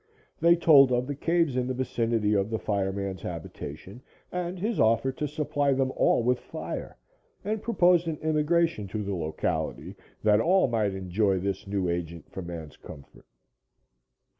They told of the caves in the vicinity of the fire man's habitation and his offer to supply them all with fire, and proposed an immigration to the locality, that all might enjoy this new agent for man's comfort.